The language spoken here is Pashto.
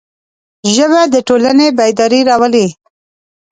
ژبه د ټولنې بیداري راولي